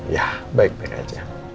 ya baik baik aja